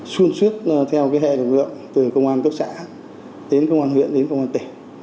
xuyên suốt theo hệ lực lượng từ công an cấp xã đến công an huyện đến công an tỉnh